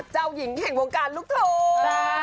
เจ้าหญิงแห่งวงการลูกทุ่ง